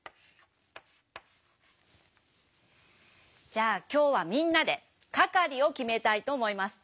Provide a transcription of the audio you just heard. じゃあきょうはみんなでかかりをきめたいとおもいます。